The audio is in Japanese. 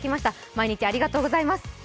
毎日ありがとうございます。